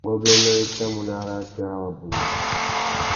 Ngôbēnô i tà mú nà arrātê râ wabunda .